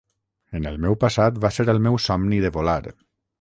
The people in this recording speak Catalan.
En el meu passat va ser el meu somni de volar.